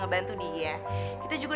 wah parang siuji demi apa